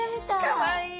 かわいい。